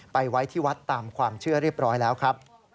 ไว้ที่วัดตามความเชื่อเรียบร้อยแล้วครับ